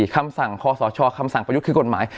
คำสั่งคอสชคำสั่งประยุทธ์คือกฎหมาย